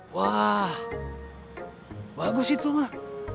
wah bagus itu mak